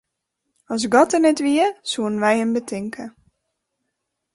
As God der net wie, soenen wy him betinke.